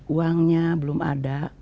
uangnya belum ada